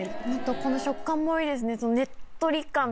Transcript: この食感もいいですね。